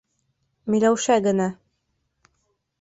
Миләүшә генә: